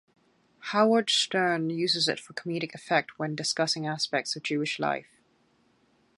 Howard Stern uses it for comedic effect when discussing aspects of Jewish life.